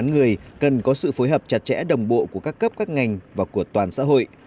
người cần có sự phối hợp chặt chẽ đồng bộ của các cấp các ngành và của toàn xã hội